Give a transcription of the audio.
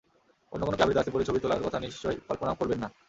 অন্য কোনো ক্লাবের জার্সি পরে ছবি তোলার কথা নিশ্চয়ই কল্পনাও করবেন না।